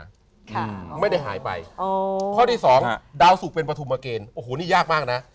ค่ะไม่ได้หายไปอ๋อข้อที่สองดาวสุกเป็นปฐุมเกณฑ์โอ้โหนี่ยากมากน่ะ